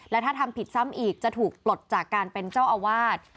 และถ้าทำผิดซ้ำอีกจะถูกปลดจากการเป็นเจ้าอาวาส